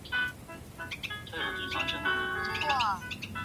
世界各国在日本水俣病事件后逐渐开始了解汞的危害。